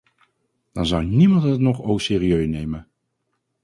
Dan zou niemand het nog au sérieux nemen.